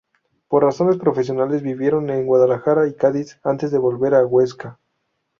Por razones profesionales vivieron en Guadalajara y Cádiz antes de volver a Huesca.